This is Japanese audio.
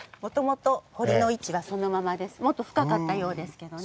もっと深かったようですけどね。